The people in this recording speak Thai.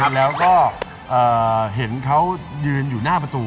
แล้วก็เห็นเขายืนอยู่หน้าประตู